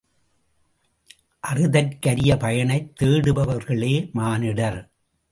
அறிதற்கு அரிய பயனைத் தேடுபவர்களே மானிடர்.